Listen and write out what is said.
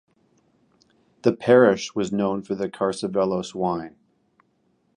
The parish was known for the Carcavelos wine.